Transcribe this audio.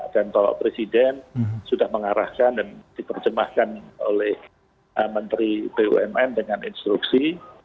dan kalau presiden sudah mengarahkan dan diperjemahkan oleh menteri bumn dengan instruksi